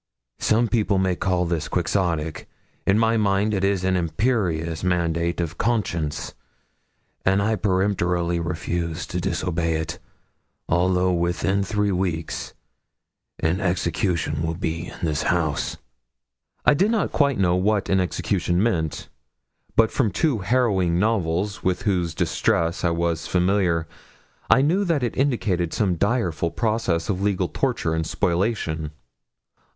Some people may call this Quixotic. In my mind it is an imperious mandate of conscience; and I peremptorily refuse to disobey it, although within three weeks an execution will be in this house!' I did not quite know what an execution meant; but from two harrowing novels, with whose distresses I was familiar, I knew that it indicated some direful process of legal torture and spoliation.